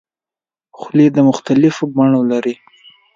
خولۍ د مختلفو بڼو لري.